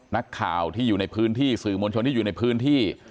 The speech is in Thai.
นักข่าวที่อยู่ในพื้นที่สื่อมวลชนที่อยู่ในพื้นที่